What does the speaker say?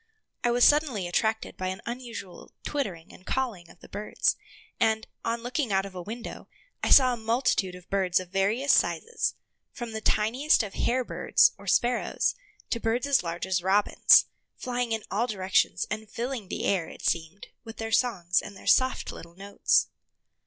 I was suddenly attracted by an unusual twittering and calling of the birds, and, on looking out of a window, I saw a multitude of birds of various sizes, from the tiniest of hare birds, or sparrows, to birds as large as robins, flying in all directions and filling the air, it seemed, with their songs and their soft little notes.